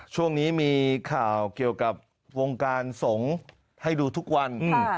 ช่วงนี้มีข่าวเกี่ยวกับวงการสงฆ์ให้ดูทุกวัน